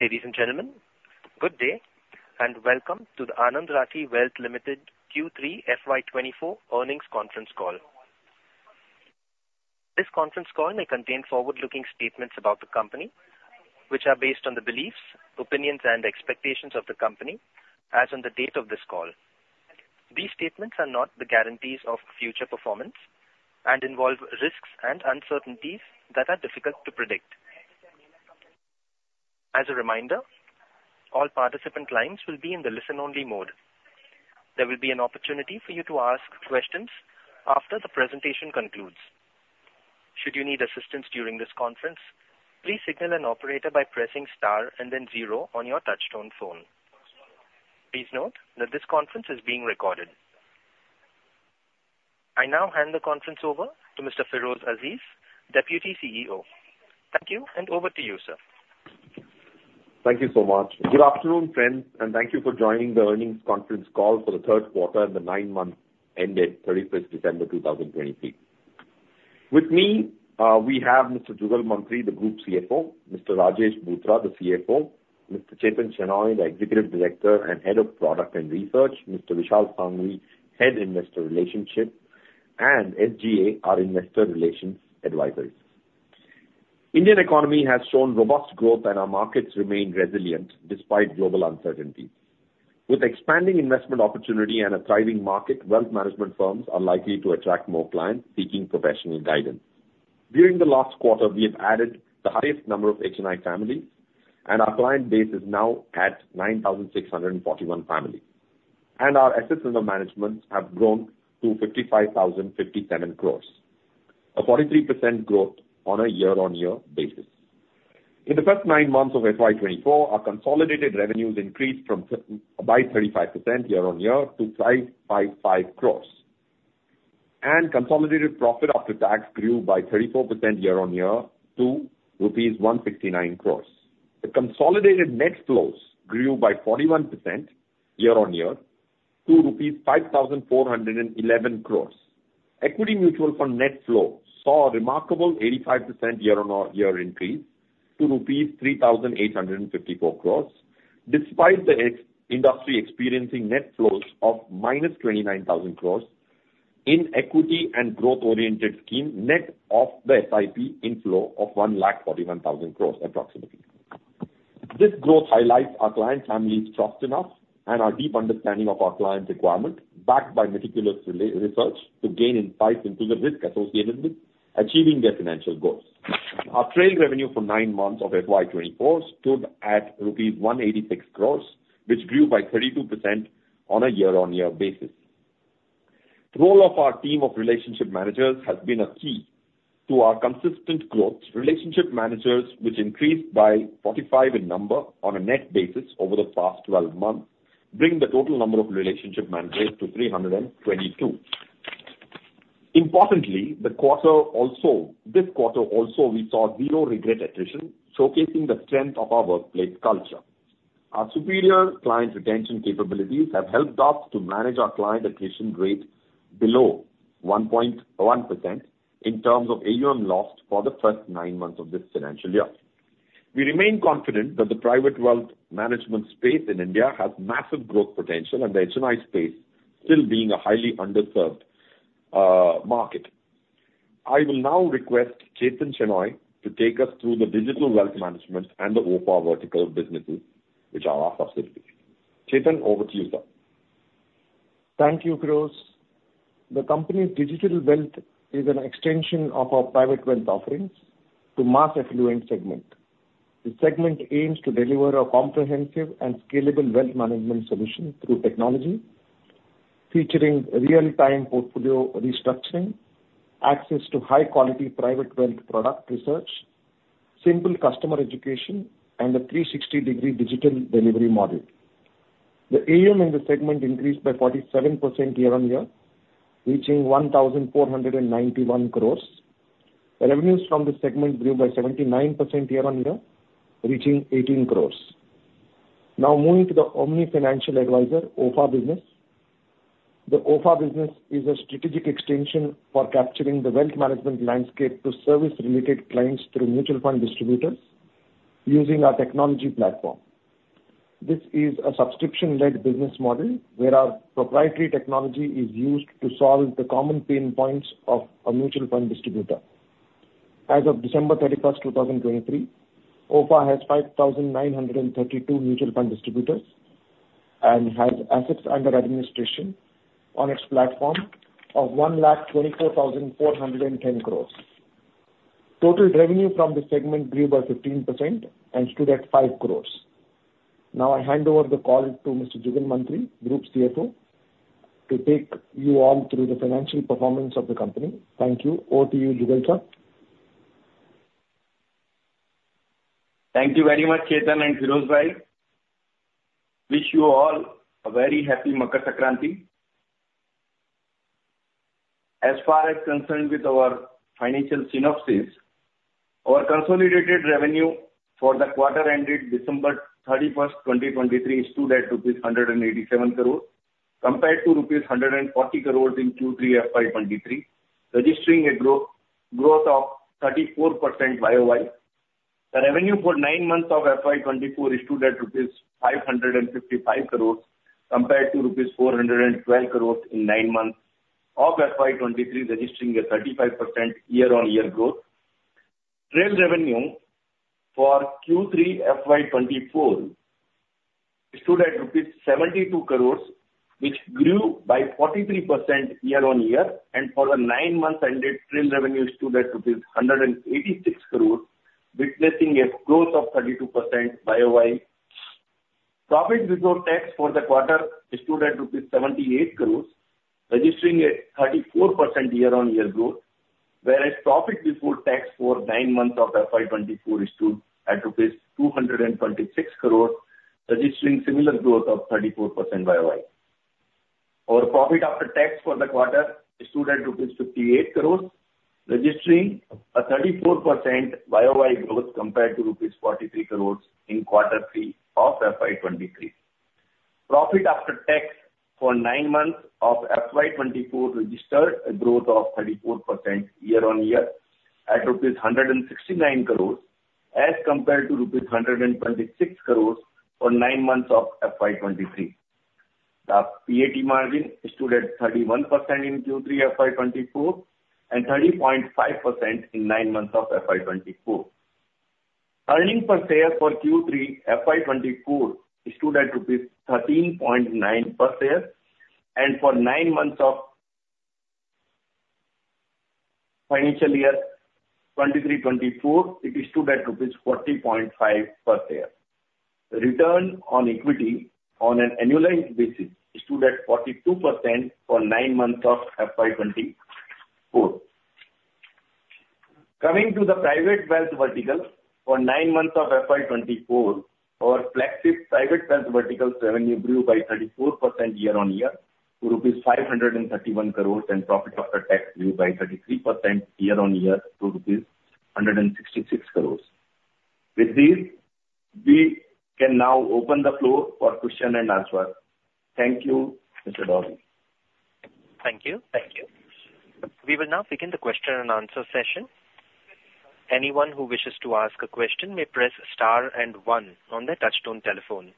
Ladies and gentlemen, good day, and welcome to the Anand Rathi Wealth Limited Q3 FY24 earnings conference call. This conference call may contain forward-looking statements about the company, which are based on the beliefs, opinions, and expectations of the company as on the date of this call. These statements are not the guarantees of future performance and involve risks and uncertainties that are difficult to predict. As a reminder, all participant lines will be in the listen-only mode. There will be an opportunity for you to ask questions after the presentation concludes. Should you need assistance during this conference, please signal an operator by pressing star and then zero on your touchtone phone. Please note that this conference is being recorded. I now hand the conference over to Mr. Feroze Azeez, Deputy CEO. Thank you, and over to you, sir. Thank you so much. Good afternoon, friends, and thank you for joining the earnings conference call for the third quarter and the nine months ended 31st December 2023. With me, we have Mr. Jugal Mantri, the Group CFO, Mr. Rajesh Bhutara, the CFO, Mr. Chethan Shenoy, the Executive Director and Head of Product and Research, Mr. Vishal Sanghavi, Head Investor Relationship, and SGA, our investor relations advisors. Indian economy has shown robust growth, and our markets remain resilient despite global uncertainty. With expanding investment opportunity and a thriving market, wealth management firms are likely to attract more clients seeking professional guidance. During the last quarter, we have added the highest number of HNI families, and our client base is now at 9,641 families, and our assets under management have grown to 55,057 crore, a 43% growth on a year-over-year basis. In the first nine months of FY 2024, our consolidated revenues increased by 35% year-over-year to 555 crore, and consolidated profit after tax grew by 34% year-over-year to rupees 169 crore. The consolidated net flows grew by 41% year-over-year to rupees 5,411 crore. Equity mutual fund net flow saw a remarkable 85% year-over-year increase to rupees 3,854 crore, despite the industry experiencing net flows of -29,000 crore in equity and growth-oriented scheme, net of the SIP inflow of 1,41,000 crore approximately. This growth highlights our client families' trust in us and our deep understanding of our clients' requirement, backed by meticulous research to gain insight into the risk associated with achieving their financial goals. Our trail revenue for nine months of FY 2024 stood at rupees 186 crore, which grew by 32% on a year-over-year basis. The role of our team of relationship managers has been a key to our consistent growth. Relationship managers, which increased by 45 in number on a net basis over the past 12 months, bring the total number of relationship managers to 322. Importantly, this quarter also, we saw zero regret attrition, showcasing the strength of our workplace culture. Our superior client retention capabilities have helped us to manage our client attrition rate below 1.1% in terms of AUM lost for the first 9 months of this financial year. We remain confident that the private wealth management space in India has massive growth potential and the HNI space still being a highly underserved market. I will now request Chethan Shenoy to take us through the digital wealth management and the OFA vertical businesses, which are our subsidiaries. Chethan, over to you, sir. Thank you, Feroze. The company's digital wealth is an extension of our private wealth offerings to mass affluent segment. This segment aims to deliver a comprehensive and scalable wealth management solution through technology, featuring real-time portfolio restructuring, access to high-quality private wealth product research, simple customer education, and a 360-degree digital delivery model. The AUM in the segment increased by 47% year-on-year, reaching 1,491 crores. Revenues from this segment grew by 79% year-on-year, reaching 18 crores. Now, moving to the Omni Financial Advisor, OFA business. The OFA business is a strategic extension for capturing the wealth management landscape to service related clients through mutual fund distributors using our technology platform. This is a subscription-led business model, where our proprietary technology is used to solve the common pain points of a mutual fund distributor. As of December 31, 2023, OFA has 5,932 mutual fund distributors and has assets under administration on its platform of 1,24,410 crore. Total revenue from this segment grew by 15% and stood at 5 crore. Now, I hand over the call to Mr. Jugal Mantri, Group CFO, to take you all through the financial performance of the company. Thank you. Over to you, Jugal sir. Thank you very much, Chethan and Feroze bhai. Wish you all a very happy Makar Sankranti. As far as concerned with our financial synopsis, our consolidated revenue for the quarter ended December 31, 2023, stood at INR 187 crores.... compared to INR 140 crore in Q3 FY 2023, registering a growth of 34% YOY. The revenue for nine months of FY 2024 stood at rupees 555 crore, compared to rupees 412 crore in nine months of FY 2023, registering a 35% year-on-year growth. Trail revenue for Q3 FY 2024 stood at rupees 72 crore, which grew by 43% year-on-year, and for the nine months ended, trail revenue stood at rupees 186 crore, witnessing a growth of 32% YOY. Profit before tax for the quarter stood at rupees 78 crore, registering a 34% year-on-year growth, whereas profit before tax for nine months of FY 2024 stood at 226 crore, registering similar growth of 34% YOY. Our profit after tax for the quarter stood at rupees 58 crore, registering a 34% YOY growth compared to rupees 43 crore in Quarter Three of FY 2023. Profit after tax for nine months of FY 2024 registered a growth of 34% year-on-year, at rupees 169 crore, as compared to rupees 126 crore for nine months of FY 2023. The PAT margin stood at 31% in Q3 FY 2024, and 30.5% in nine months of FY 2024. Earnings per share for Q3 FY 2024 stood at rupees 13.9 per share, and for nine months of financial year 2023-24, it stood at rupees 14.5 per share. Return on equity on an annualized basis stood at 42% for nine months of FY 2024. Coming to the Private Wealth vertical, for nine months of FY 2024, our flagship Private Wealth vertical's revenue grew by 34% year-on-year to INR 531 crore, and profit after tax grew by 33% year-on-year to INR 166 crore. With this, we can now open the floor for question and answer. Thank you, Mr. Dorothy. Thank you. Thank you. We will now begin the question and answer session. Anyone who wishes to ask a question may press star and one on their touchtone telephone.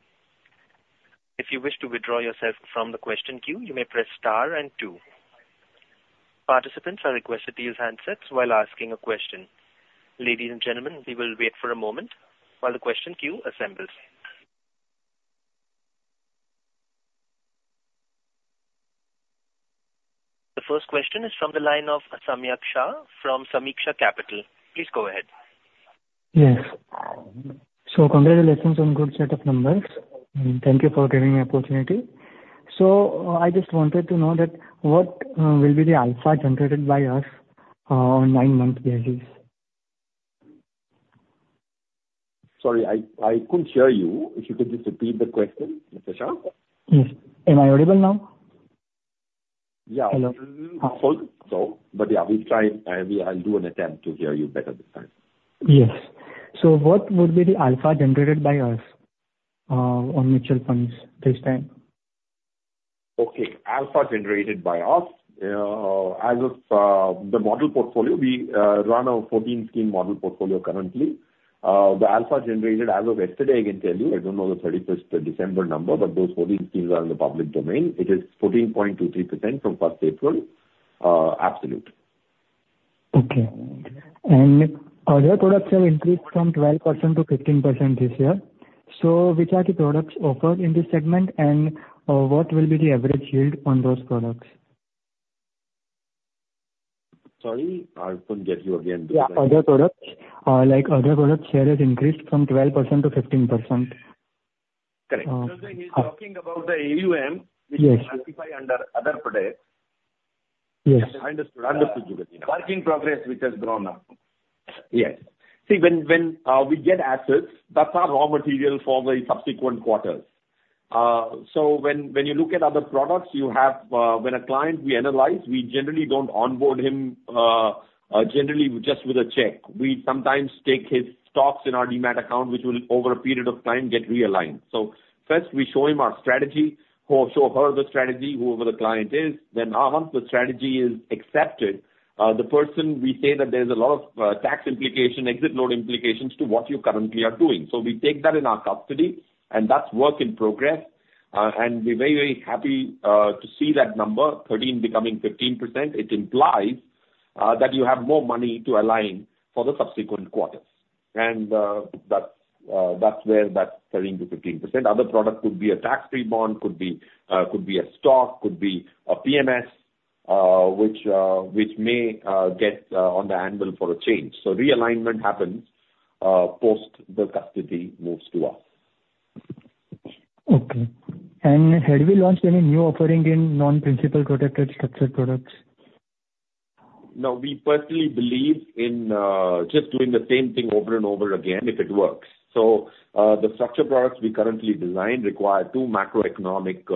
If you wish to withdraw yourself from the question queue, you may press star and two. Participants are requested to use handsets while asking a question. Ladies and gentlemen, we will wait for a moment while the question queue assembles. The first question is from the line of Samyak Shah from Sameeksha Capital. Please go ahead. Yes. So congratulations on good set of numbers, and thank you for giving me the opportunity. So, I just wanted to know that what will be the alpha generated by us on nine-month basis? Sorry, I couldn't hear you. If you could just repeat the question, Mr. Shah? Yes. Am I audible now? Yeah. Hello. Hope so. But yeah, we'll try, I'll do an attempt to hear you better this time. Yes. So what would be the alpha generated by us on mutual funds this time? Okay. Alpha generated by us, as of the model portfolio, we run a 14-scheme model portfolio currently. The alpha generated as of yesterday, I can tell you, I don't know the 31st December number, but those 14 schemes are in the public domain. It is 14.23% from 1st April, absolute. Okay. Other products have increased from 12% to 15% this year. So which are the products offered in this segment, and what will be the average yield on those products? Sorry, I couldn't get you again. Yeah, other products, like, other products share has increased from 12%-15%. Correct. Uh- He's talking about the AUM- Yes. which we classify under other products. Yes. I understood. I understood you. Work in progress which has grown up. Yes. See, when we get assets, that's our raw material for the subsequent quarters. So when you look at other products, you have, when a client we analyze, we generally don't onboard him, generally with just a check. We sometimes take his stocks in our Demat account, which will over a period of time get realigned. So first, we show him our strategy or show her the strategy, whoever the client is. Then, once the strategy is accepted, the person, we say that there's a lot of tax implication, exit load implications to what you currently are doing. So we take that in our custody, and that's work in progress. And we're very, very happy to see that number, 13 becoming 15%. It implies that you have more money to align for the subsequent quarters. And that's where that's 13%-15%. Other product could be a tax-free bond, could be a stock, could be a PMS, which may get on the anvil for a change. So realignment happens post the custody moves to us. Okay. And have you launched any new offering in Non-Principal Protected Structured Products? No, we personally believe in just doing the same thing over and over again, if it works. So, the structured products we currently design require two macroeconomic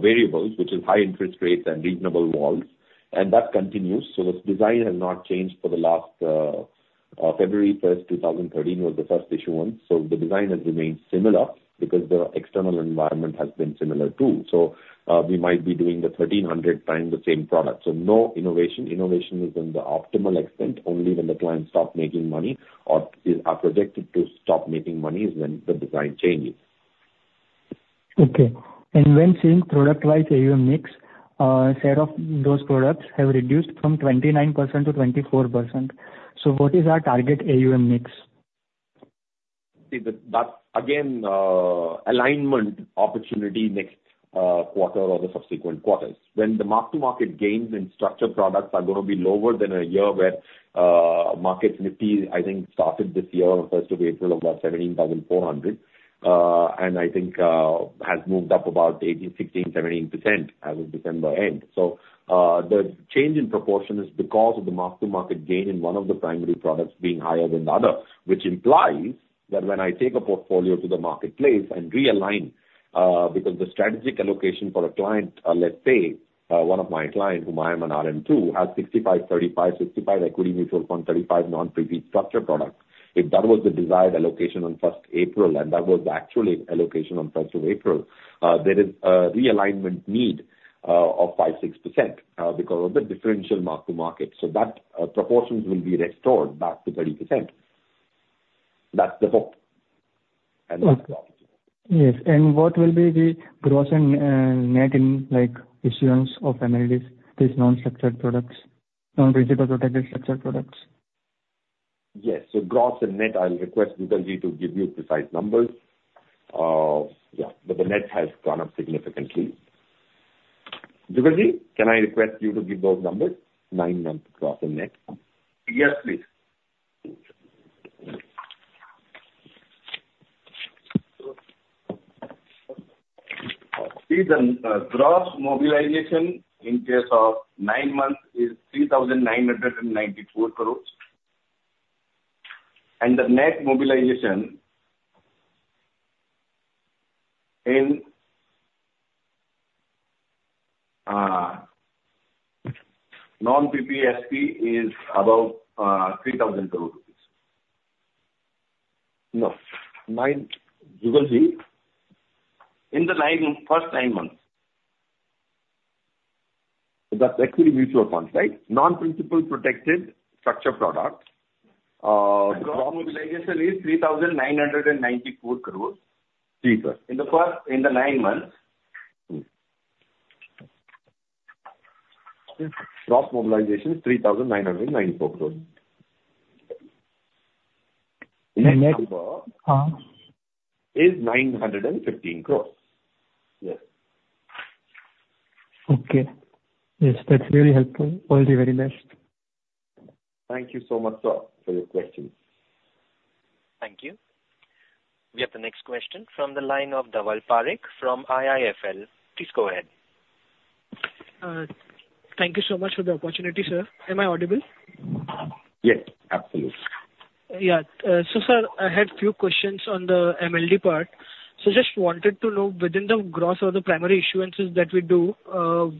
variables, which is high interest rates and reasonable vol, and that continues. So this design has not changed for the last February 1, 2013, was the first issuance. So the design has remained similar because the external environment has been similar too. So, we might be doing the 1,300 times the same product. So no innovation. Innovation is in the optimal extent, only when the clients stop making money or are projected to stop making money, is when the design changes. Okay. When seeing product-wise AUM mix, share of those products have reduced from 29% to 24%. What is our target AUM mix? See that, that again, alignment opportunity next quarter or the subsequent quarters. When the mark-to-market gains in structured products are gonna be lower than a year where market Nifty, I think, started this year on first of April of about 17,400, and I think, has moved up about 18, 16, 17% as of December end. So, the change in proportion is because of the mark-to-market gain in one of the primary products being higher than the other, which implies that when I take a portfolio to the marketplace and realign, because the strategic allocation for a client, let's say, one of my clients, whom I am an RM to, has 65, 35. 65 equity mutual fund, 35 non-principal structured product. If that was the desired allocation on first April, and that was actually allocation on first of April, there is a realignment need of 5-6%, because of the differential Mark-to-Market. So that, proportions will be restored back to 30%. That's the hope, and that's possible. Yes. And what will be the gross and net in, like, issuance of MLDs, these non-structured products, non-principal protected structured products? Yes. So gross and net, I will request Jugalji to give you precise numbers. Yeah, but the net has gone up significantly. Jugalji, can I request you to give those numbers, nine months gross and net? Yes, please. See, the gross mobilization in case of nine months is 3,994 crore. And the net mobilization in non-PPSP is about INR 3,000 crore. No. 9, Jugalji? In the first nine months. That's equity mutual funds, right? Non-Principal Protected Structured Products. Gross mobilization is INR 3,994 crore. Sí, sir. In the first, in the nine months. Gross mobilization is 3,994 crore. And net- And net? Is INR 915 crore. Yes. Okay. Yes, that's really helpful. All the very best. Thank you so much, sir, for your question. Thank you. We have the next question from the line of Dhaval Parekh from IIFL. Please go ahead. Thank you so much for the opportunity, sir. Am I audible? Yes, absolutely. Yeah. So sir, I had few questions on the MLD part. So just wanted to know, within the gross or the primary issuances that we do,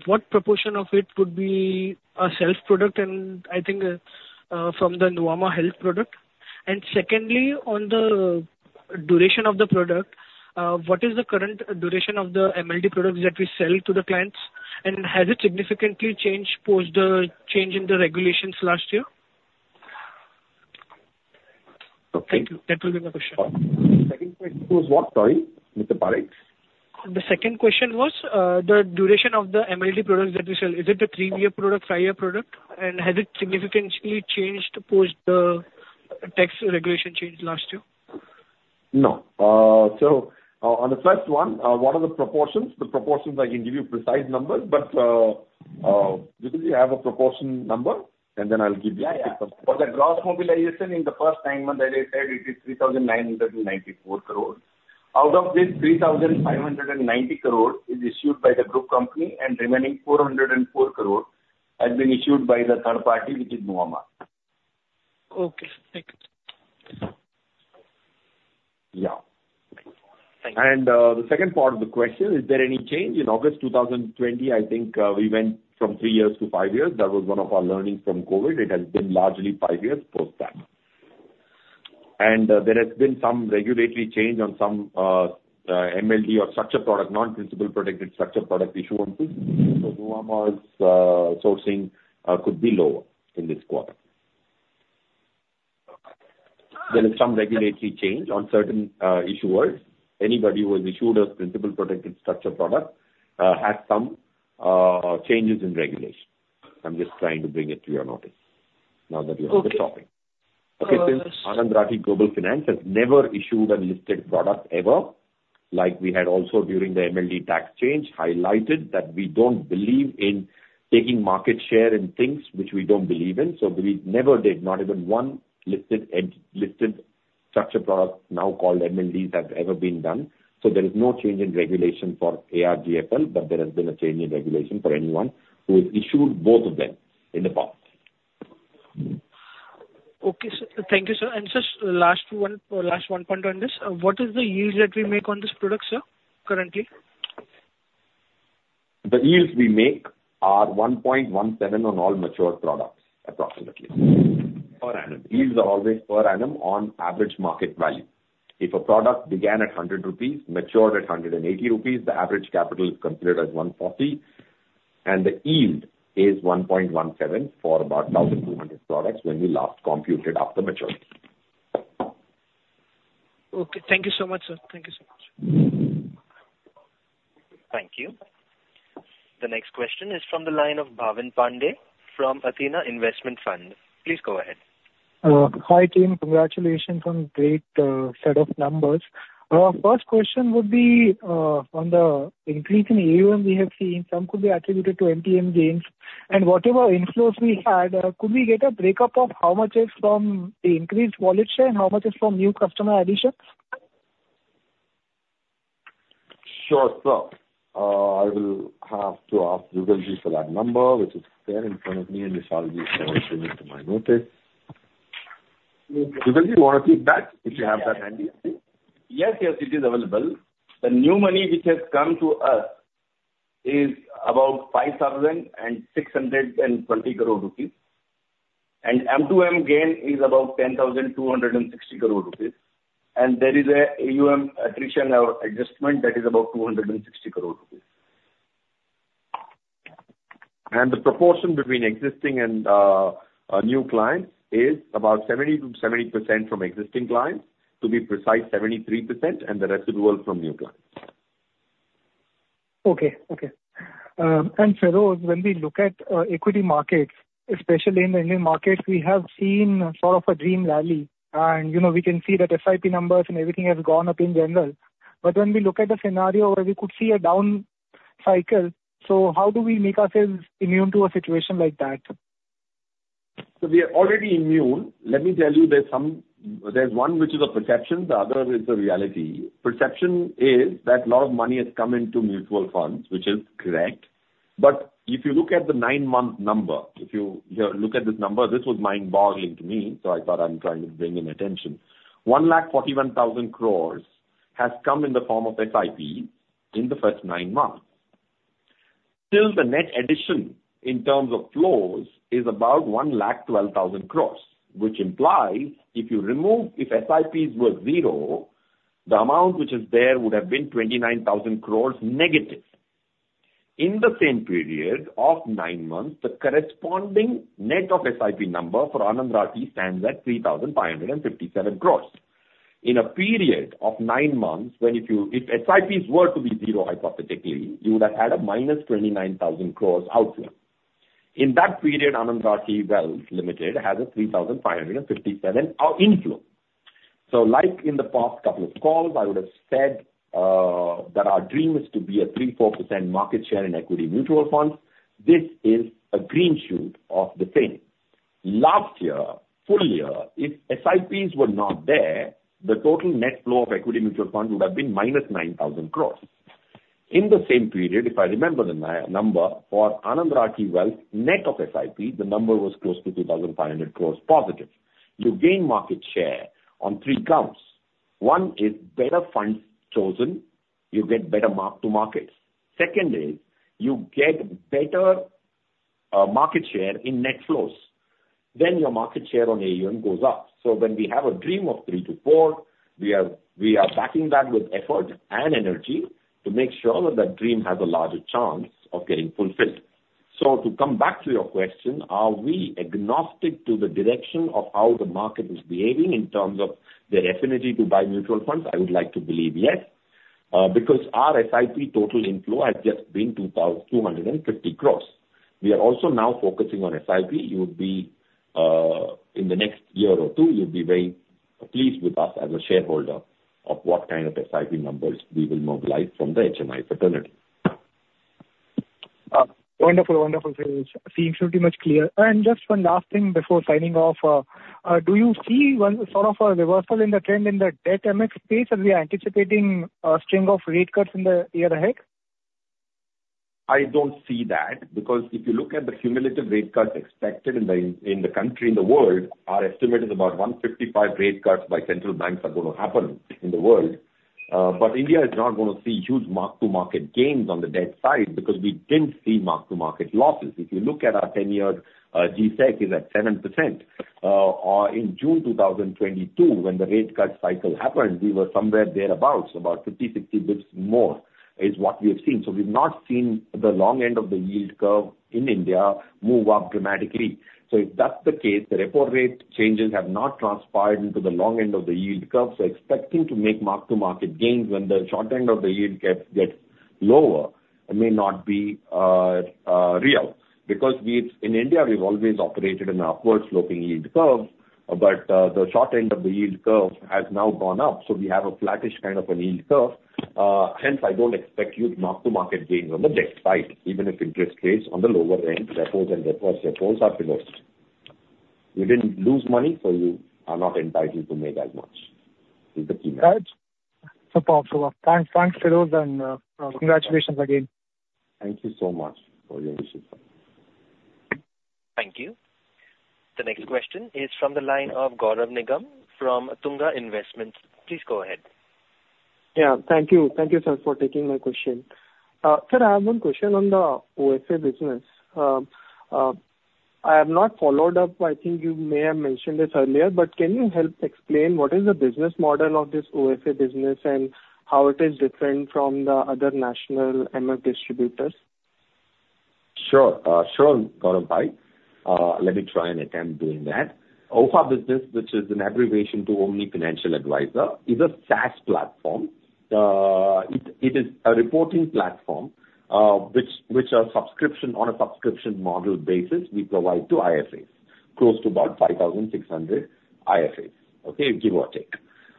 what proportion of it could be a self product and I think, from the Nuvama Wealth product? And secondly, on the duration of the product, what is the current duration of the MLD products that we sell to the clients, and has it significantly changed post the change in the regulations last year? Okay. Thank you. That will be my question. Second question was what, sorry, Mr. Parekh? The second question was, the duration of the MLD products that we sell. Is it a 3-year product, 5-year product? And has it significantly changed post the tax regulation change last year? No. So, on the first one, what are the proportions? The proportions I can give you precise numbers, but, Jugalji you have a proportion number, and then I'll give you- Yeah, yeah. For the gross mobilization in the first 9 months, as I said, it is 3,994 crore. Out of this, 3,590 crore is issued by the group company, and remaining 404 crore has been issued by the third party, which is Nuvama. Okay, thank you. Yeah. Thank you. And, the second part of the question, is there any change? In August 2020, I think, we went from 3 years to 5 years. That was one of our learnings from COVID. It has been largely 5 years post that. And, there has been some regulatory change on some, MLD or structured product, non-principal protected structured product issuances. Mm-hmm. Nuvama's sourcing could be lower in this quarter. There is some regulatory change on certain issuers. Anybody who has issued a principal protected structured product has some changes in regulation. I'm just trying to bring it to your notice now that you have the topic. Okay. Okay. Since Anand Rathi Global Finance has never issued a listed product ever, like we had also during the MLD tax change, highlighted that we don't believe in taking market share in things which we don't believe in. So we never did, not even one listed structured product, now called MLDs, has ever been done. So there is no change in regulation for ARGFL, but there has been a change in regulation for anyone who has issued both of them in the past. Okay, sir. Thank you, sir. And just last one, last one point on this. What is the yield that we make on this product, sir, currently? The yields we make are 1.17 on all mature products, approximately. Per annum. Yields are always per annum on average market value. If a product began at 100 rupees, matured at 180 rupees, the average capital is considered as 140, and the yield is 1.17 for about 1,200 products when we last computed after maturity. Okay. Thank you so much, sir. Thank you so much. Thank you. The next question is from the line of Bhavin Pandey from Athena Investment Fund. Please go ahead. Hi, team. Congratulations on great set of numbers. First question would be on the increase in AUM we have seen, some could be attributed to MTM gains. And whatever inflows we had, could we get a breakup of how much is from the increased wallet share and how much is from new customer additions? Sure, sir. I will have to ask Jugal Ji for that number, which is there in front of me, and Vishal Ji is going to bring it to my notice. Jugal Ji, you wanna take that if you have that handy? Yes, yes, it is available. The new money which has come to us is about 5,620 crore rupees, and M2M gain is about 10,260 crore rupees. And there is a AUM attrition or adjustment that is about 260 crore rupees. The proportion between existing and a new client is about 70%-70% from existing clients, to be precise, 73%, and the rest is all from new clients. Okay. Okay. And Feroze, when we look at equity markets, especially in the Indian markets, we have seen sort of a dream rally. And, you know, we can see that SIP numbers and everything has gone up in general. But when we look at a scenario where we could see a down cycle, so how do we make ourselves immune to a situation like that? So we are already immune. Let me tell you, there's some... There's one, which is a perception, the other is the reality. Perception is that a lot of money has come into mutual funds, which is correct. But if you look at the nine-month number, if you, you look at this number, this was mind-boggling to me, so I thought I'm trying to bring in attention. 141,000 crore has come in the form of SIPs in the first nine months. Still, the net addition in terms of flows is about 112,000 crore, which implies if you remove- if SIPs were zero, the amount which is there would have been 29,000 crore negative. In the same period of nine months, the corresponding net of SIP number for Anand Rathi stands at 3,557 crore. In a period of 9 months, if SIPs were to be zero, hypothetically, you would have had a minus 29,000 crore outflow. In that period, Anand Rathi Wealth Limited has a 3,557 crore inflow. So like in the past couple of calls, I would have said that our dream is to be a 3-4% market share in equity mutual funds. This is a green shoot of the same. Last year, full year, if SIPs were not there, the total net flow of equity mutual funds would have been minus 9,000 crore. In the same period, if I remember the number, for Anand Rathi Wealth net of SIP, the number was close to 2,500 crore positive. You gain market share on 3 counts. One is better funds chosen, you get better mark-to-markets. Second is you get better, market share in net flows, then your market share on AUM goes up. So when we have a dream of 3-4, we are, we are backing that with effort and energy to make sure that that dream has a larger chance of getting fulfilled. So to come back to your question, are we agnostic to the direction of how the market is behaving in terms of their affinity to buy mutual funds? I would like to believe yes, because our SIP total inflow has just been 2,250 crore. We are also now focusing on SIP. You would be, in the next year or two, you'll be very pleased with us as a shareholder of what kind of SIP numbers we will mobilize from the HNI fraternity. Wonderful, wonderful, Feroze. Seems pretty much clear. And just one last thing before signing off. Do you see one, sort of a reversal in the trend in the debt MF space as we are anticipating a string of rate cuts in the year ahead? I don't see that, because if you look at the cumulative rate cuts expected in the, in the country, in the world, our estimate is about 155 rate cuts by central banks are gonna happen in the world. But India is not gonna see huge mark-to-market gains on the debt side because we didn't see mark-to-market losses. If you look at our 10-year, GSEC is at 7%. In June 2022, when the rate cut cycle happened, we were somewhere thereabout, about 50-60 basis points more is what we have seen. So we've not seen the long end of the yield curve in India move up dramatically. So if that's the case, the repo rate changes have not transpired into the long end of the yield curve. So expecting to make mark-to-market gains when the short end of the yield curve gets lower, may not be real. Because we, in India, we've always operated in an upward-sloping yield curve, but the short end of the yield curve has now gone up, so we have a flattish kind of an yield curve. Hence, I don't expect huge mark-to-market gains on the debt side, even if interest rates on the lower end, repos and reverse repos are below. You didn't lose money, so you are not entitled to make as much, is the key message. ...So powerful. Thanks, thanks, Feroze, and congratulations again. Thank you so much for your wishes. Thank you. The next question is from the line of Gaurav Nigam from Tunga Investments. Please go ahead. Yeah. Thank you. Thank you, sir, for taking my question. Sir, I have one question on the OFA business. I have not followed up, I think you may have mentioned this earlier, but can you help explain what is the business model of this OFA business and how it is different from the other national MF distributors? Sure. Sure, Gaurav, bye. Let me try and attempt doing that. OFA business, which is an abbreviation to Omni Financial Advisor, is a SaaS platform. It is a reporting platform, which are subscription, on a subscription model basis, we provide to IFAs, close to about 5,600 IFAs, okay? Give or take.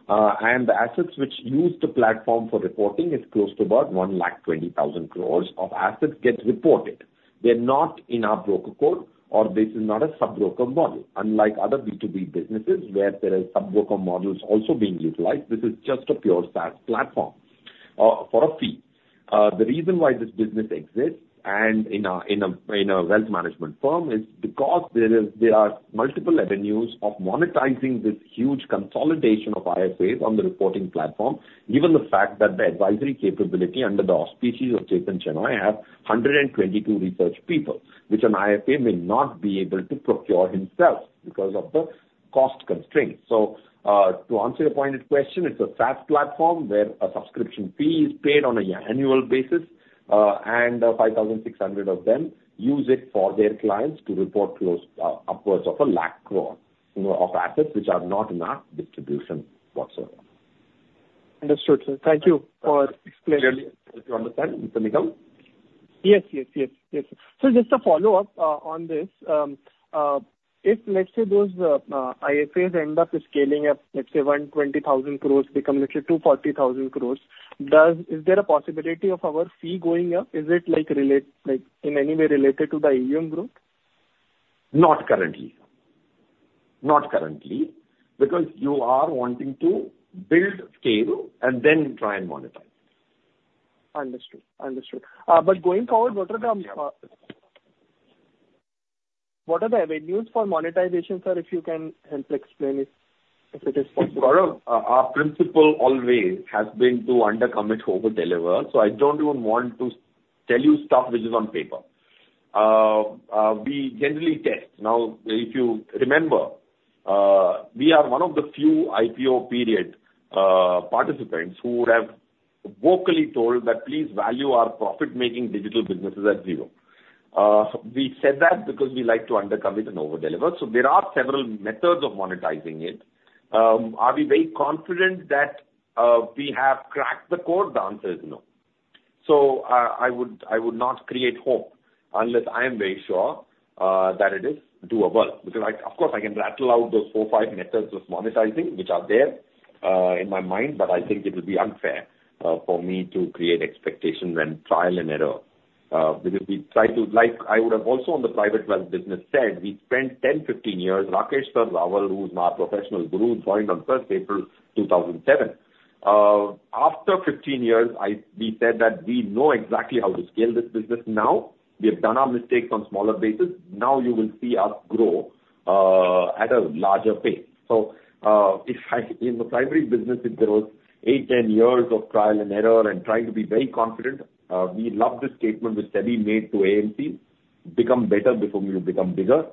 And the assets which use the platform for reporting is close to about 120,000 crore of assets get reported. They're not in our broker code, or this is not a sub-broker model. Unlike other B2B businesses, where there are sub-broker models also being utilized, this is just a pure SaaS platform, for a fee. The reason why this business exists in a wealth management firm is because there are multiple avenues of monetizing this huge consolidation of IFAs on the reporting platform, given the fact that the advisory capability under the auspices of Chethan Shenoy has 122 research people, which an IFA may not be able to procure himself because of the cost constraints. So, to answer your pointed question, it's a SaaS platform where a subscription fee is paid on an annual basis, and 5,600 of them use it for their clients to report close upwards of 100,000 crore, you know, of assets which are not in our distribution whatsoever. Understood, sir. Thank you for explaining. You understand, Mr. Nigam? Yes, yes, yes, yes. So just a follow-up on this. If let's say those IFAs end up scaling up, let's say 120,000 crore become let's say 240,000 crore, does... Is there a possibility of our fee going up? Is it like relate, like in any way related to the AUM growth? Not currently. Not currently, because you are wanting to build scale and then try and monetize. Understood. Understood. But going forward, what are the avenues for monetization, sir? If you can help explain it, if it is possible. Gaurav, our principle always has been to under commit over deliver, so I don't even want to tell you stuff which is on paper. We generally test. Now, if you remember, we are one of the few IPO period participants who have vocally told that, "Please value our profit-making digital businesses at zero." We said that because we like to under commit and over deliver. So there are several methods of monetizing it. Are we very confident that we have cracked the code? The answer is no. So I would not create hope unless I am very sure that it is doable. Because I, of course, I can rattle out those 4, 5 methods of monetizing, which are there, in my mind, but I think it would be unfair for me to create expectations when trial and error. Because we try to like... I would have also on the private wealth business said, we spent 10, 15 years. Rakesh Rawal, who is our professional guru, joined on first April 2007. After 15 years, I, we said that we know exactly how to scale this business now. We have done our mistakes on smaller basis. Now, you will see us grow at a larger pace. So, if I, in the primary business, if there was 8, 10 years of trial and error and trying to be very confident, we love the statement which SEBI made to AMC, "Become better before you become bigger."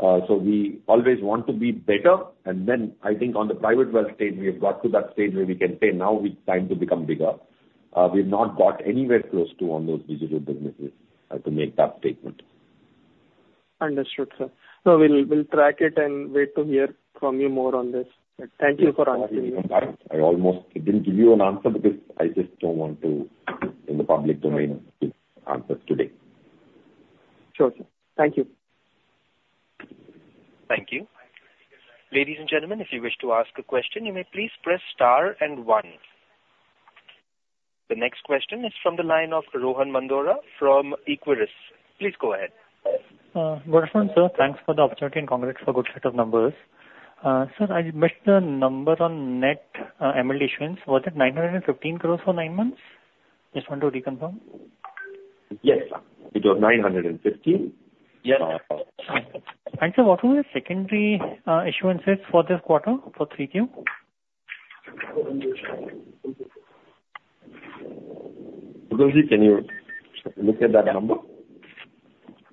So we always want to be better, and then I think on the private wealth stage, we have got to that stage where we can say, now we're trying to become bigger. We've not got anywhere close to on those digital businesses, to make that statement. Understood, sir. We'll, we'll track it and wait to hear from you more on this. Thank you for answering. I almost didn't give you an answer because I just don't want to, in the public domain, give answers today. Sure, sir. Thank you. Thank you. Ladies and gentlemen, if you wish to ask a question, you may please press star and one. The next question is from the line of Rohan Mandora from Equirus. Please go ahead. Good afternoon, sir. Thanks for the opportunity and congrats for good set of numbers. Sir, I missed the number on net MLD issuance. Was it 915 crore for nine months? Just want to reconfirm. Yes, it was 915. Yes. Sir, what were the secondary issuances for this quarter, for three Q? Feroze, can you look at that number?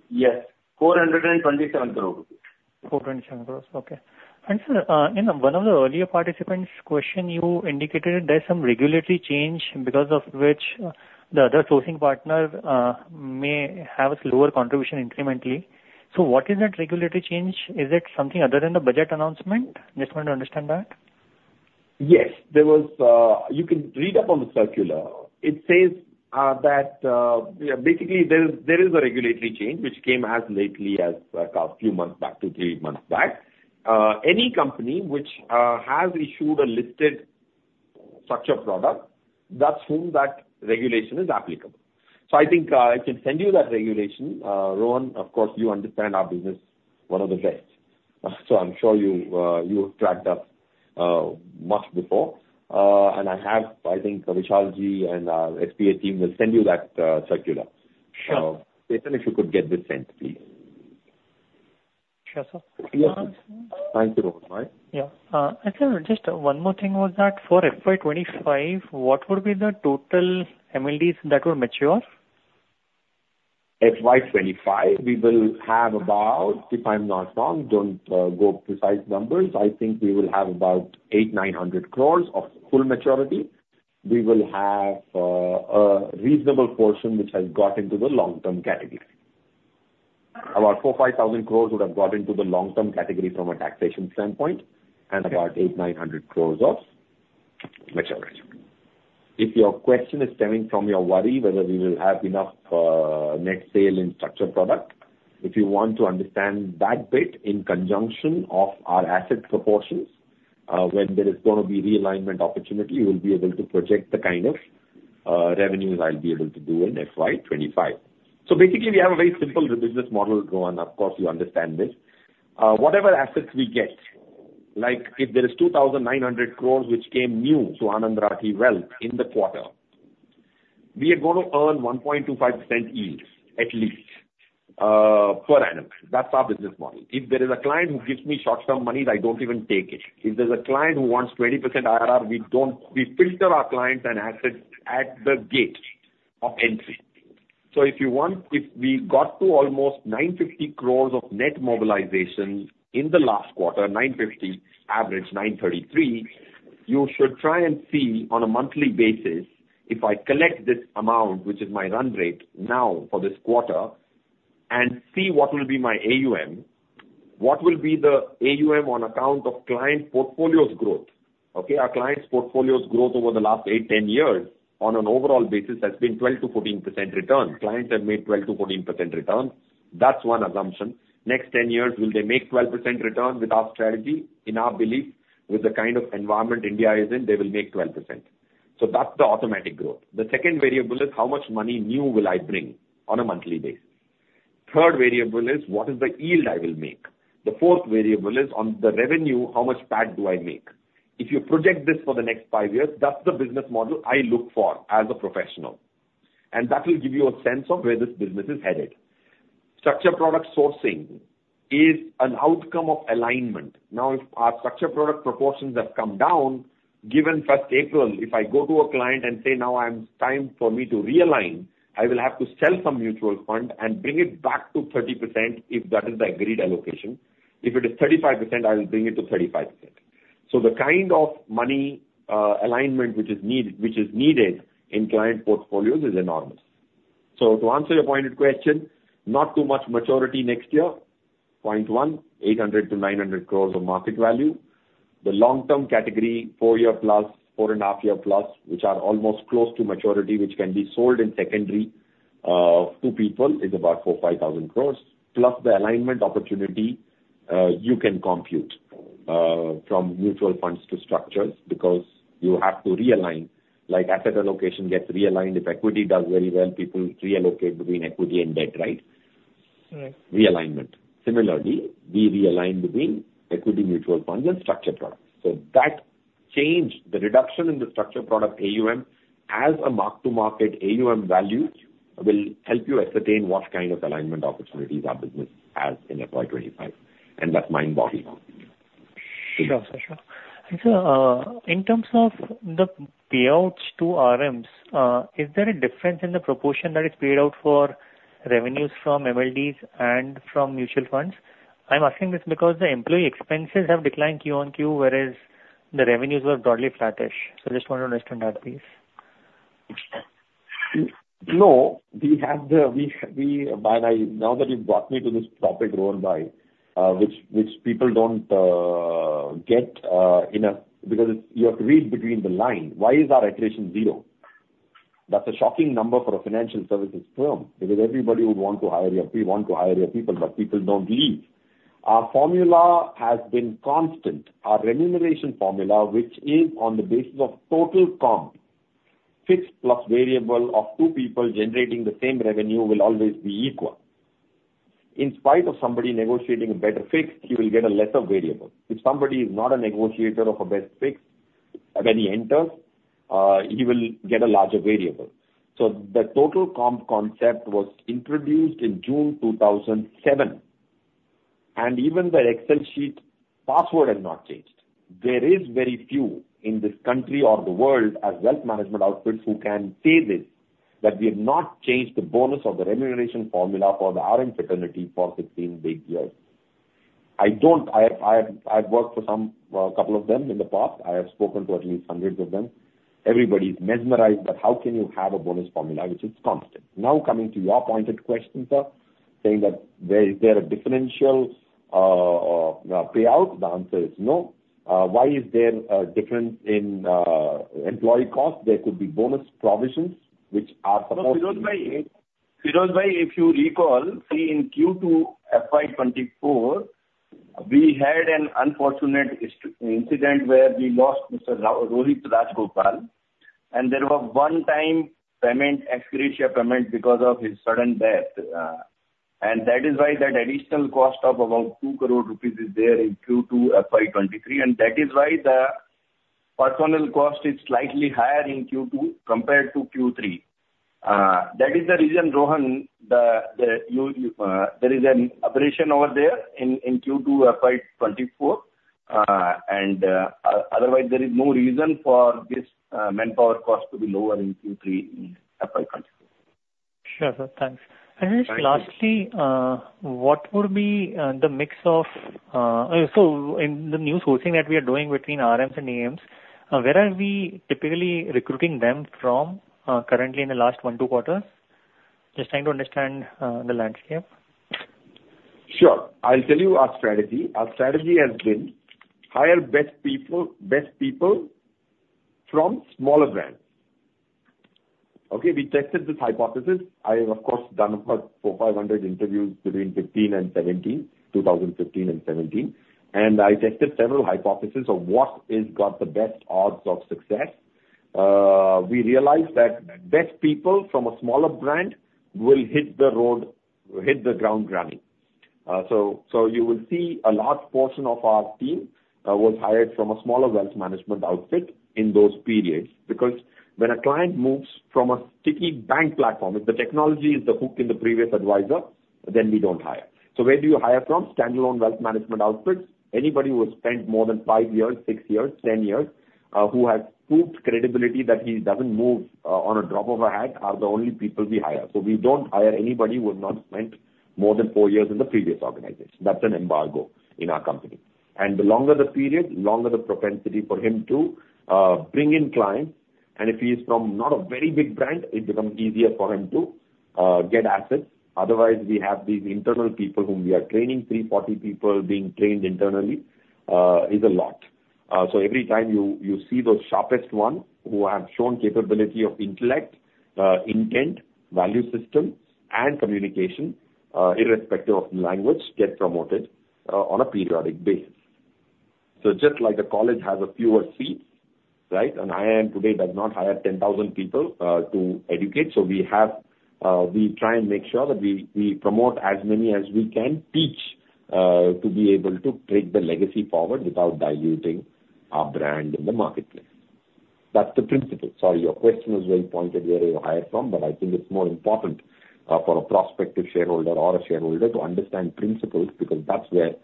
Yes, 427 crore. 427 crore. Okay. And sir, in one of the earlier participants' question, you indicated there's some regulatory change because of which the other sourcing partner may have a lower contribution incrementally. So what is that regulatory change? Is it something other than the budget announcement? Just want to understand that. Yes. There was. You can read up on the circular. It says that basically there is, there is a regulatory change which came as lately as a few months back, two, three months back. Any company which has issued a listed structured product, that's whom that regulation is applicable.... So I think I can send you that regulation. Rohan, of course, you understand our business one of the best, so I'm sure you you've tracked up much before. And I have, I think, Vishalji and our SGA team will send you that circular. Sure. Payal, if you could get this sent, please. Sure, sir. Thank you, Rohan. Bye. Yeah. Actually, just one more thing was that for FY 25, what would be the total MLDs that will mature? FY 2025, we will have about, if I'm not wrong, don't go precise numbers, I think we will have about 800-900 crore of full maturity. We will have a reasonable portion which has got into the long-term category. About 4,000-5,000 crore would have got into the long-term category from a taxation standpoint, and about 800-900 crore of maturity. If your question is stemming from your worry whether we will have enough net sale in structured product, if you want to understand that bit in conjunction of our asset proportions, when there is gonna be realignment opportunity, you will be able to project the kind of revenues I'll be able to do in FY 2025. Basically, we have a very simple business model, Rohan, of course, you understand this. Whatever assets we get, like, if there is 2,900 crore, which came new to Anand Rathi Wealth in the quarter, we are gonna earn 1.25% yield at least, per annum. That's our business model. If there is a client who gives me short-term money, I don't even take it. If there's a client who wants 20% IRR, we don't. We filter our clients and assets at the gate of entry. So if you want, if we got to almost 950 crore of net mobilization in the last quarter, 950 crore, average 933 crore, you should try and see on a monthly basis, if I collect this amount, which is my run rate now for this quarter, and see what will be my AUM, what will be the AUM on account of client portfolios growth, okay? Our clients' portfolios growth over the last 8-10 years on an overall basis has been 12%-14% return. Clients have made 12%-14% return. That's one assumption. Next 10 years, will they make 12% return with our strategy? In our belief, with the kind of environment India is in, they will make 12%. So that's the automatic growth. The second variable is how much money new will I bring on a monthly basis. Third variable is what is the yield I will make? The fourth variable is on the revenue, how much PAT do I make? If you project this for the next 5 years, that's the business model I look for as a professional, and that will give you a sense of where this business is headed. Structured product sourcing is an outcome of alignment. Now, if our structured product proportions have come down, given first April, if I go to a client and say, "Now, I'm, it's time for me to realign," I will have to sell some mutual fund and bring it back to 30% if that is the agreed allocation. If it is 35%, I will bring it to 35%. So the kind of money, alignment which is need, which is needed in client portfolios is enormous. So to answer your pointed question, not too much maturity next year, point one, 800 crore-900 crore of market value. The long-term category, 4-year+, 4.5-year+, which are almost close to maturity, which can be sold in secondary, to people, is about 4,000-5,000 crore. Plus the alignment opportunity, you can compute from mutual funds to structures because you have to realign, like asset allocation gets realigned. If equity does very well, people reallocate between equity and debt, right? Right. Realignment. Similarly, we realign between equity mutual funds and structured products. So that change, the reduction in the structured product AUM as a mark-to-market AUM value, will help you ascertain what kind of alignment opportunities our business has in FY 25, and that's mind-boggling. Sure, sir. And, sir, in terms of the payouts to RMs, is there a difference in the proportion that is paid out for revenues from MLDs and from mutual funds? I'm asking this because the employee expenses have declined Q-on-Q, whereas the revenues were broadly flattish. So I just want to understand that, please. No, we have the... By the way, now that you've brought me to this topic, Rohan, by which people don't get in a... Because you have to read between the lines. Why is our attrition 0? That's a shocking number for a financial services firm, because everybody would want to hire your, we want to hire your people, but people don't leave. Our formula has been constant. Our remuneration formula, which is on the basis of total comp, fixed plus variable of 2 people generating the same revenue will always be equal. In spite of somebody negotiating a better fixed, he will get a lesser variable. If somebody is not a negotiator of a best fixed when he enters, he will get a larger variable. So the total comp concept was introduced in June 2007, and even the Excel sheet password has not changed. There is very few in this country or the world, as wealth management outfits, who can say this, that we have not changed the bonus or the remuneration formula for the RM fraternity for 16 big years. I've worked for some, a couple of them in the past. I have spoken to at least hundreds of them. Everybody's mesmerized that how can you have a bonus formula which is constant? Now, coming to your pointed question, sir, saying that there is there a differential payout? The answer is no. Why is there a difference in employee cost? There could be bonus provisions which are supposed to be-... Firozbhai, if you recall, in Q2 FY 2024, we had an unfortunate incident where we lost Mr. Rohit Rajgopal, and there was one time payment, ex gratia payment because of his sudden death. And that is why that additional cost of about 2 crore rupees is there in Q2 FY 2023, and that is why the personal cost is slightly higher in Q2 compared to Q3. That is the reason, Rohan, there is an aberration over there in Q2 FY 2024. Otherwise, there is no reason for this manpower cost to be lower in Q3 in FY 2024. Sure, sir. Thanks. Thank you. Just lastly, what would be the mix of... So in the new sourcing that we are doing between RMs and AMs, where are we typically recruiting them from currently in the last 1, 2 quarters? Just trying to understand the landscape. Sure. I'll tell you our strategy. Our strategy has been hire best people, best people from smaller brands. Okay, we tested this hypothesis. I have, of course, done about 400-500 interviews between 2015 and 2017, 2015 and 2017, and I tested several hypotheses of what has got the best odds of success. We realized that best people from a smaller brand will hit the road, hit the ground running. So, so you will see a large portion of our team was hired from a smaller wealth management outfit in those periods. Because when a client moves from a sticky bank platform, if the technology is the hook in the previous advisor, then we don't hire. So where do you hire from? Standalone wealth management outfits. Anybody who has spent more than 5 years, 6 years, 10 years, who has proved credibility that he doesn't move on a drop of a hat, are the only people we hire. So we don't hire anybody who has not spent more than 4 years in the previous organization. That's an embargo in our company. And the longer the period, the longer the propensity for him to bring in clients, and if he is from not a very big brand, it becomes easier for him to get assets. Otherwise, we have these internal people whom we are training, 340 people being trained internally, is a lot. So every time you see those sharpest one who have shown capability of intellect, intent, value system, and communication, irrespective of language, get promoted on a periodic basis. So just like a college has a fewer seats, right? An IIM today does not hire 10,000 people to educate. So we have, we try and make sure that we, we promote as many as we can, teach to be able to take the legacy forward without diluting our brand in the marketplace. That's the principle. Sorry, your question was well pointed, where do you hire from? But I think it's more important for a prospective shareholder or a shareholder to understand principles, because that's where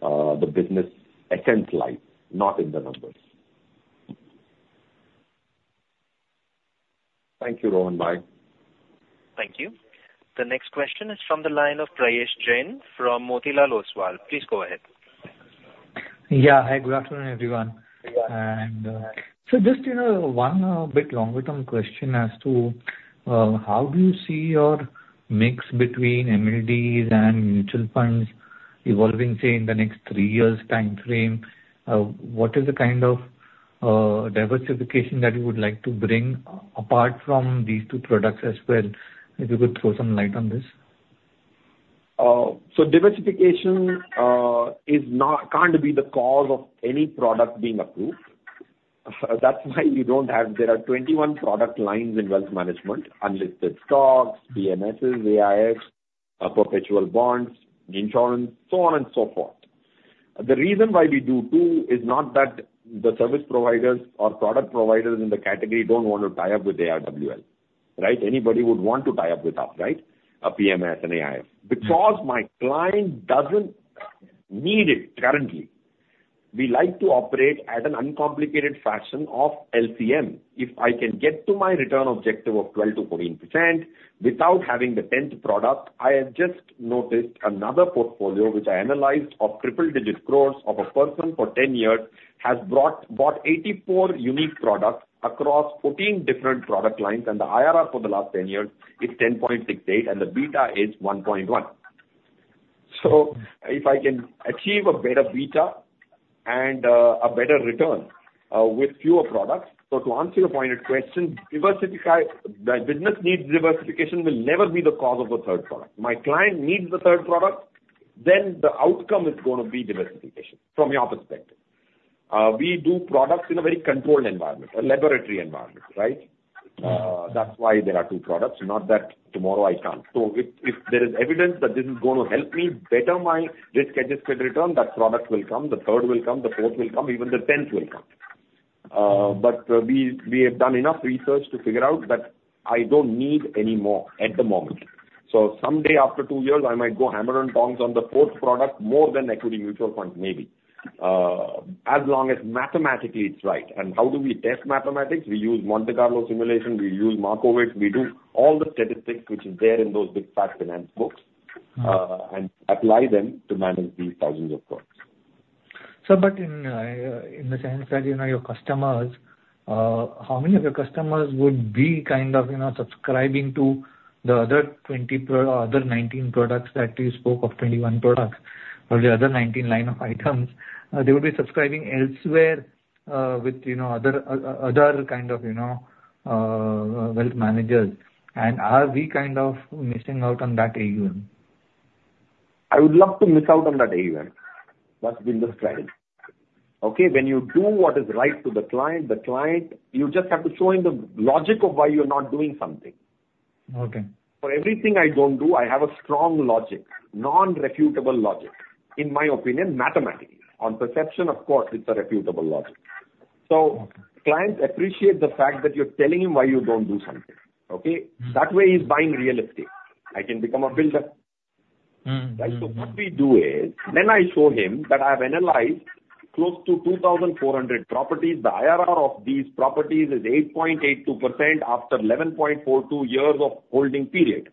the business essence lies, not in the numbers. Thank you, Rohan. Bye. Thank you. The next question is from the line of Prayesh Jain from Motilal Oswal. Please go ahead. Yeah. Hi, good afternoon, everyone. Good afternoon. So just, you know, one bit longer term question as to, how do you see your mix between NMDs and mutual funds evolving, say, in the next three years time frame? What is the kind of diversification that you would like to bring apart from these two products as well? If you could throw some light on this. So diversification is not, can't be the cause of any product being approved. That's why we don't have... There are 21 product lines in wealth management, unlisted stocks, PMSs, AIFs, perpetual bonds, insurance, so on and so forth. The reason why we do two is not that the service providers or product providers in the category don't want to tie up with ARWL, right? Anybody would want to tie up with us, right? A PMS, an AIF. Mm-hmm. Because my client doesn't need it currently. We like to operate at an uncomplicated fashion of LCM. If I can get to my return objective of 12%-14% without having the tenth product, I have just noticed another portfolio which I analyzed of triple-digit crores of a person for 10 years, has bought 84 unique products across 14 different product lines, and the IRR for the last 10 years is 10.68, and the beta is 1.1. So if I can achieve a better beta and a better return with fewer products... So to answer your pointed question, the business needs diversification will never be the cause of a third product. My client needs the third product, then the outcome is gonna be diversification from your perspective. We do products in a very controlled environment, a laboratory environment, right? Mm-hmm. That's why there are two products, not that tomorrow I can't. So if there is evidence that this is gonna help me better my risk-adjusted return, that product will come, the third will come, the fourth will come, even the tenth will come. But we have done enough research to figure out that I don't need any more at the moment. So someday after two years, I might go hammer and tongs on the fourth product, more than equity mutual funds, maybe. As long as mathematically it's right. And how do we test mathematics? We use Monte Carlo simulation, we use Markov chains, we do all the statistics which is there in those big fat finance books- Mm-hmm. and apply them to manage these thousands of products. Sir, but in, in the sense that, you know, your customers, how many of your customers would be kind of, you know, subscribing to the other 20 pro- or other 19 products that you spoke of 21 products?... or the other 19 line of items, they will be subscribing elsewhere, with, you know, other, other kind of, you know, wealth managers. And are we kind of missing out on that AUM? I would love to miss out on that AUM. That's been the strategy. Okay? When you do what is right to the client, the client—you just have to show him the logic of why you're not doing something. Okay. For everything I don't do, I have a strong logic, non-refutable logic. In my opinion, mathematics. On perception, of course, it's a refutable logic. Okay. So clients appreciate the fact that you're telling him why you don't do something, okay? Mm-hmm. That way, he's buying real estate. I can become a builder. Mm-hmm. Mm-hmm. Right? So what we do is, then I show him that I have analyzed close to 2,400 properties. The IRR of these properties is 8.82% after 11.42 years of holding period.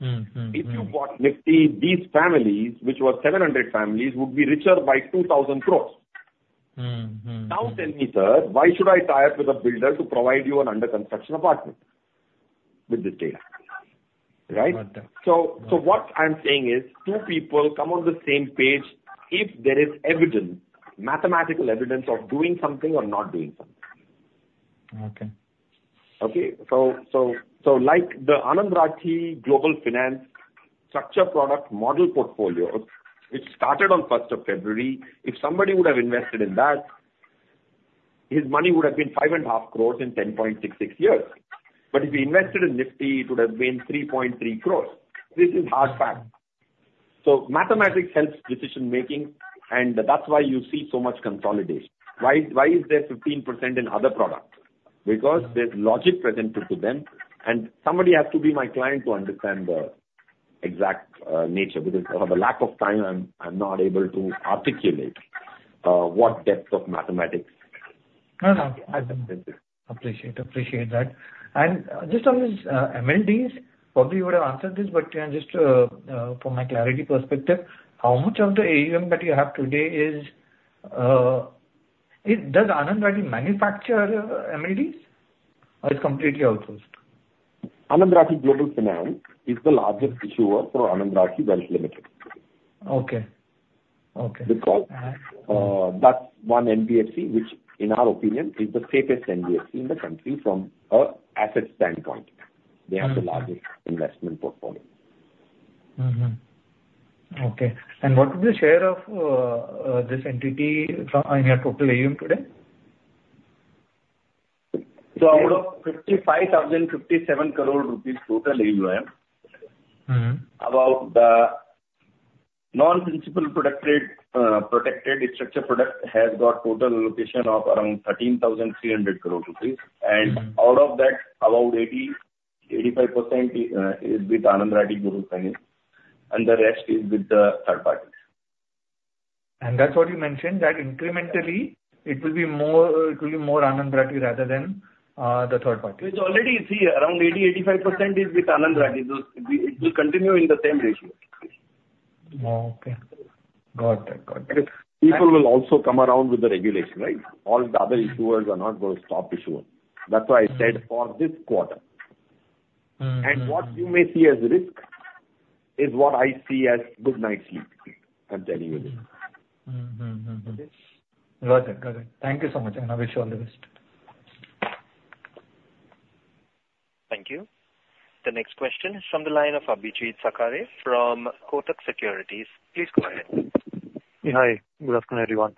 Mm-hmm, mm-hmm, mm-hmm. If you bought Nifty, these families, which were 700 families, would be richer by 2,000 crore. Mm-hmm, mm-hmm. Now, tell me, sir, why should I tie up with a builder to provide you an under construction apartment with this data? Right? Got that. So, what I'm saying is two people come on the same page if there is evidence, mathematical evidence of doing something or not doing something. Okay. Okay? So, like the Anand Rathi Global Finance structured product model portfolio, it started on first of February. If somebody would have invested in that, his money would have been 5.5 crore in 10.66 years. But if he invested in Nifty, it would have been 3.3 crore. This is hard fact. So mathematics helps decision-making, and that's why you see so much consolidation. Why is there 15% in other products? Because there's logic presented to them, and somebody has to be my client to understand the exact nature, because for the lack of time, I'm not able to articulate what depth of mathematics. No, no. I appreciate, appreciate that. And just on this, MLDs, probably you would have answered this, but just from a clarity perspective, how much of the AUM that you have today is. Does Anand Rathi manufacture MLDs or it's completely outsourced? Anand Rathi Global Finance is the largest issuer for Anand Rathi Wealth Limited. Okay. Okay. Because, that's one NBFC, which in our opinion, is the safest NBFC in the country from an asset standpoint. Mm-hmm. They have the largest investment portfolio. Mm-hmm. Okay. And what is the share of this entity in your total AUM today? Out of INR 55,057 crore total AUM- Mm-hmm. About the non-principal protected structured product has got total allocation of around 13,300 crore rupees. Mm-hmm. Out of that, about 80%-85% is with Anand Rathi Global Finance, and the rest is with the third parties. That's what you mentioned, that incrementally it will be more, it will be more Anand Rathi rather than the third party. It's already see around 80%-85% is with Anand Rathi. So it, it will continue in the same ratio. Oh, okay. Got that, got that. People will also come around with the regulation, right? All the other issuers are not going to stop issuing. That's why I said for this quarter. Mm-hmm, mm-hmm. What you may see as risk is what I see as good night's sleep. I'm telling you this. Mm-hmm, mm-hmm. Okay? Got it, got it. Thank you so much, and I wish you all the best. Thank you. The next question is from the line of Abhijeet Sakhare from Kotak Securities. Please go ahead. Yeah, hi. Good afternoon, everyone.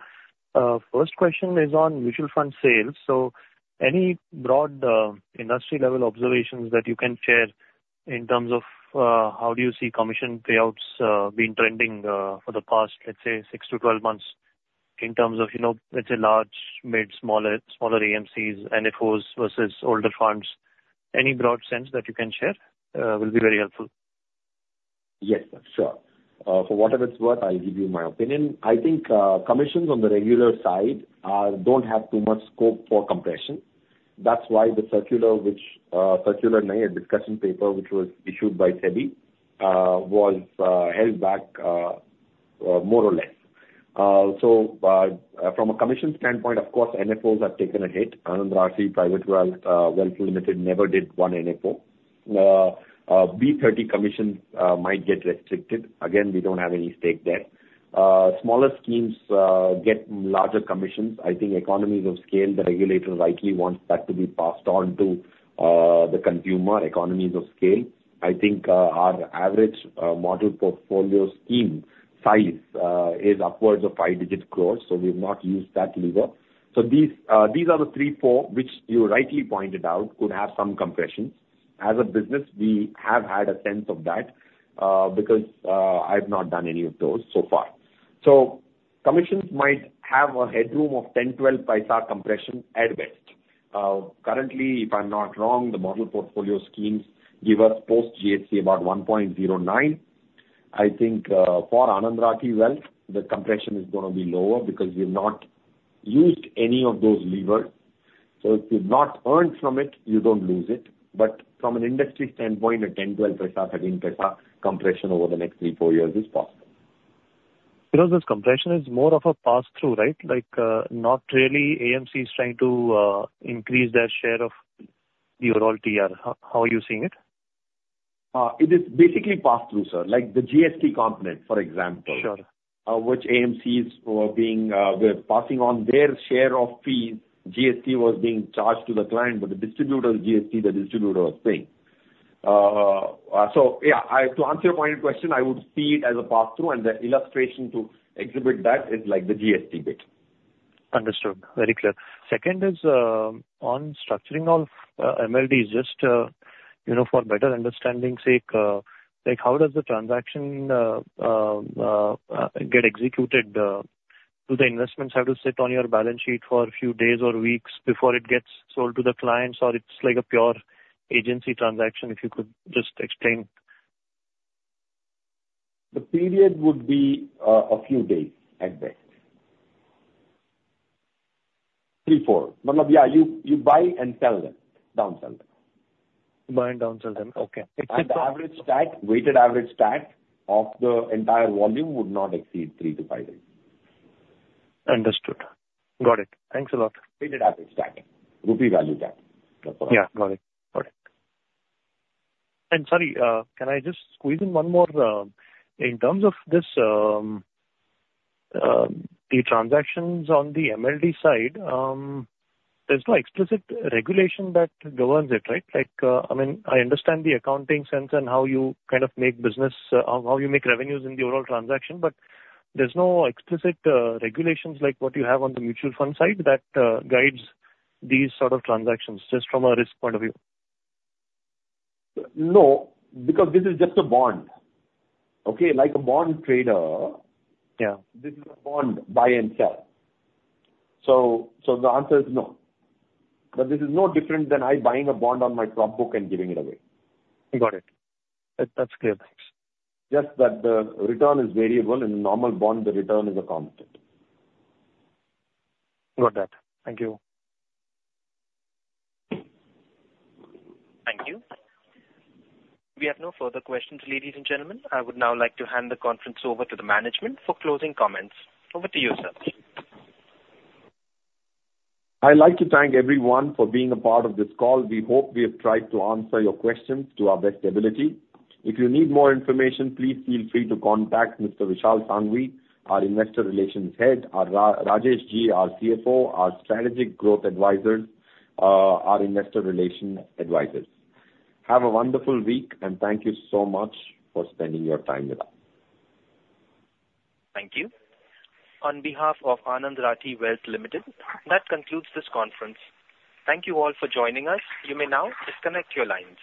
First question is on mutual fund sales. Any broad, industry level observations that you can share in terms of, how do you see commission payouts been trending, for the past, let's say, 6-12 months, in terms of, you know, let's say, large, mid, smaller, smaller AMCs, NFOs versus older funds? Any broad sense that you can share will be very helpful. Yes, sure. For whatever it's worth, I'll give you my opinion. I think commissions on the regular side don't have too much scope for compression. That's why the circular which, circular no, a discussion paper, which was issued by SEBI, was held back, more or less. So, from a commission standpoint, of course, NFOs have taken a hit. Anand Rathi Wealth Limited never did one NFO. B30 commissions might get restricted. Again, we don't have any stake there. Smaller schemes get larger commissions. I think economies of scale, the regulator likely wants that to be passed on to the consumer, economies of scale. I think our average model portfolio scheme size is upwards of 5-digit crores, so we've not used that lever. So these, these are the 3-4, which you rightly pointed out, could have some compression. As a business, we have had a sense of that, because, I've not done any of those so far. So commissions might have a headroom of 10-12 paisa compression at best. Currently, if I'm not wrong, the model portfolio schemes give us post GST about 1.09. I think, for Anand Rathi Wealth, the compression is gonna be lower because we've not used any of those levers. So if you've not earned from it, you don't lose it. But from an industry standpoint, a 10-12 paisa, 13 paisa compression over the next 3-4 years is possible. You know, this compression is more of a pass-through, right? Like, not really AMC is trying to, increase their share of overall TER. How, how are you seeing it? ... it is basically pass-through, sir, like the GST component, for example- Sure. which AMCs were passing on their share of fees. GST was being charged to the client, but the distributor's GST, the distributor was paying. So yeah, to answer your pointed question, I would see it as a pass-through, and the illustration to exhibit that is like the GST bit. Understood. Very clear. Second is, on structuring of, MLDs, just, you know, for better understanding sake, like, how does the transaction, get executed? Do the investments have to sit on your balance sheet for a few days or weeks before it gets sold to the clients, or it's like a pure agency transaction? If you could just explain. The period would be a few days at best. 3, 4. Yeah, you buy and sell them, downsell them. Buy and downsell them, okay. The average stack, weighted average stack of the entire volume would not exceed 3-5 days. Understood. Got it. Thanks a lot. Weighted average stack. Rupee value stack. Yeah. Got it. Got it. And sorry, can I just squeeze in one more? In terms of this, the transactions on the MLD side, there's no explicit regulation that governs it, right? Like, I mean, I understand the accounting sense and how you kind of make business, how you make revenues in the overall transaction, but there's no explicit regulations like what you have on the mutual fund side that guides these sort of transactions, just from a risk point of view. No, because this is just a bond. Okay? Like a bond trader- Yeah. This is a bond, buy and sell. So, the answer is no, but this is no different than I buying a bond on my prop book and giving it away. I got it. That, that's clear. Thanks. Just that the return is variable, in a normal bond, the return is a constant. Got that. Thank you. Thank you. We have no further questions, ladies and gentlemen. I would now like to hand the conference over to the management for closing comments. Over to you, sir. I'd like to thank everyone for being a part of this call. We hope we have tried to answer your questions to our best ability. If you need more information, please feel free to contact Mr. Vishal Sanghavi, our investor relations head, or Rajeshji, our CFO, our Strategic Growth Advisors, our investor relations advisors. Have a wonderful week, and thank you so much for spending your time with us. Thank you. On behalf of Anand Rathi Wealth Limited, that concludes this conference. Thank you all for joining us. You may now disconnect your lines.